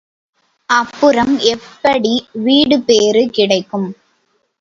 அப்புறம் எப்படி வீடுபேறு கிடைக்கும்?